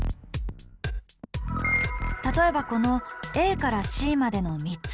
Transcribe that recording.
例えばこのＡからＣまでの３つのポイント。